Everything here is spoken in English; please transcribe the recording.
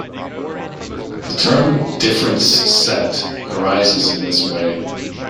The term "difference set" arises in this way.